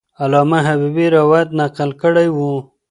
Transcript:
علامه حبیبي روایت نقل کړی وو.